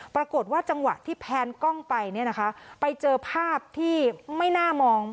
ปรากฏว่าจังหวะที่แพนกล้องไปเนี่ยนะคะไปเจอภาพที่ไม่น่ามอง